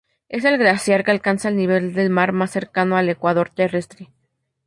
Es el glaciar que alcanza el nivel del mar más cercano al ecuador terrestre.